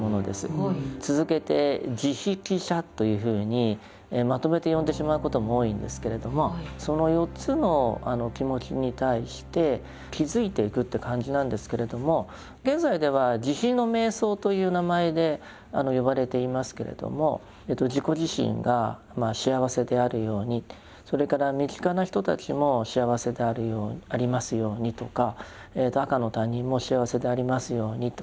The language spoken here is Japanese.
続けて「慈悲喜捨」というふうにまとめて呼んでしまうことも多いんですけれどもその４つの気持ちに対して気づいていくという感じなんですけれども現在では「慈悲の瞑想」という名前で呼ばれていますけれども自己自身が幸せであるようにそれから身近な人たちも幸せでありますようにとか赤の他人も幸せでありますようにと。